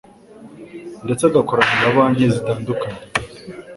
ndetse agakorana na banki zitandukanye